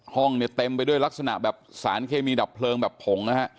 ห้องเนี่ยเต็มไปด้วยลักษณะแบบสารเคมีดับเพลิงแบบผงนะฮะ